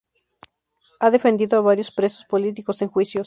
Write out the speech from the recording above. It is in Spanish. Ha defendido a varios presos políticos en juicios.